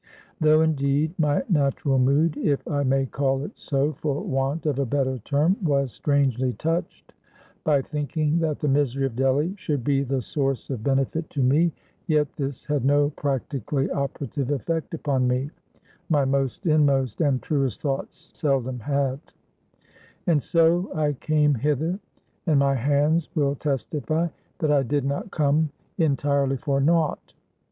Though indeed my natural mood if I may call it so, for want of a better term was strangely touched by thinking that the misery of Delly should be the source of benefit to me; yet this had no practically operative effect upon me, my most inmost and truest thoughts seldom have; and so I came hither, and my hands will testify that I did not come entirely for naught.